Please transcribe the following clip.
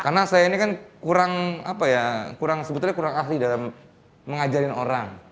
karena saya ini kan kurang apa ya kurang sebetulnya kurang ahli dalam mengajarin orang